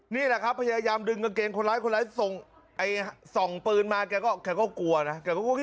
นี่แหละครับพยายามดึงกางเกงคนร้ายคนร้ายส่งส่องปืนมาแกก็กลัวนะ